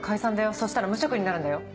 そしたら無職になるんだよ？